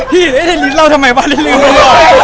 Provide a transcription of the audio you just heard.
พี่เห็นไอ้เทรดเลิศเราทำไมวะไม่ลืมแล้ว